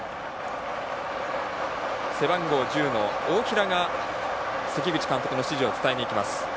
背番号１０の大平が関口監督の指示を伝えにいきます。